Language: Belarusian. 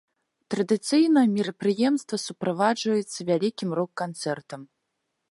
Традыцыйна мерапрыемства суправаджаецца вялікім рок-канцэртам.